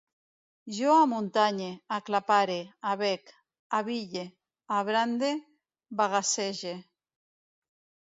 Jo amuntanye, aclapare, abec, abille, abrande, bagassege